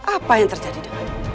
apa yang terjadi denganmu